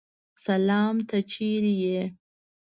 سلام ته څرې یې؟